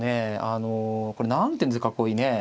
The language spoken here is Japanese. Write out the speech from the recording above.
あのこれ何ていうんですか囲いね。